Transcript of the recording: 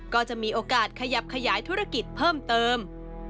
ก็จะมีโอกาสขยับขยายธุรกิจเพิ่มเติม